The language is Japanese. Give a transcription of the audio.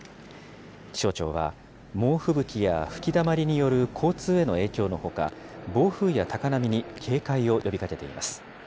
気象庁は、猛吹雪や吹きだまりによる交通への影響のほか、暴風や高波に警戒を呼びかけています。